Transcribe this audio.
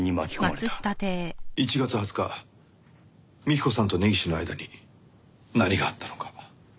１月２０日幹子さんと根岸の間に何があったのか。